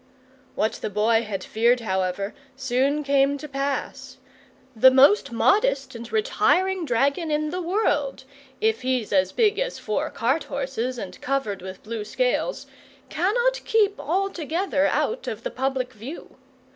What the Boy had feared, however, soon came to pass. The most modest and retiring dragon in the world, if he's as big as four cart horses and covered with blue scales, cannot keep altogether out of the public view.